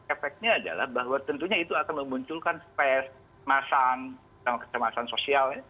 efeknya adalah bahwa tentunya itu akan memunculkan stres masan sama kecemasan sosial